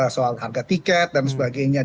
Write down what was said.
soal harga tiket dan sebagainya